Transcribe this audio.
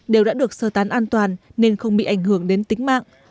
đều đã được sơ tán an toàn nên không bị ảnh hưởng đến tính mạng